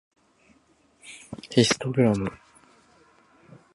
ヒストグラム